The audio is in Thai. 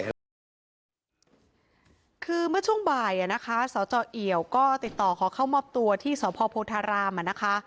คือเมื่อช่วงบ่ายนะคะสจเอี่ยวก็ติดต่อขอเข้ามอบตัวที่สพโพธารามนะคะ